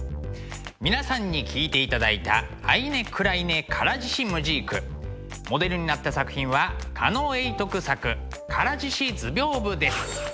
皆さんに聴いていただいた「アイネクライネ唐獅子ムジーク」モデルになった作品は狩野永徳作「唐獅子図屏風」です。